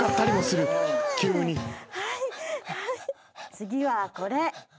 次はこれ。